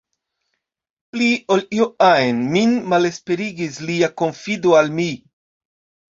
Pli ol io ajn, min malesperigis lia konfido al mi.